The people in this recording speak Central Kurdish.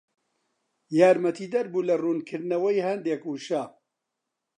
یارمەتیدەر بوو لە ڕوونکردنەوەی هەندێک وشە